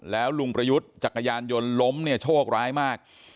แล้วลุงประยุทธ์จักรยานยนต์ล้มเนี่ยโชคร้ายมาก